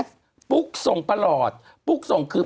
คุณหนุ่มกัญชัยได้เล่าใหญ่ใจความไปสักส่วนใหญ่แล้ว